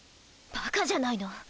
バカじゃないの？